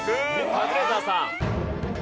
カズレーザーさん